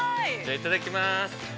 ◆いただきます。